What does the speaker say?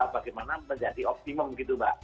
bagaimana menjadi optimum gitu mbak